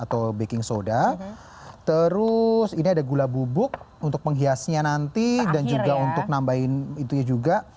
atau baking soda terus ini ada gula bubuk untuk penghiasnya nanti dan juga untuk nambahin itunya juga